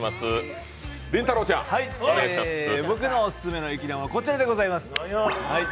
僕のオススメの粋なものはこちらでございます。